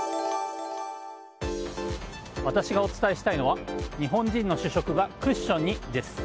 私がお伝えしたいのは日本人の主食がクッションにです。